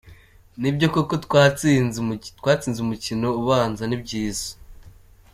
Ni byo koko twatsinze umukino ubanza, ni byiza.